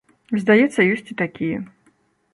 Здаецца, ёсць і такія.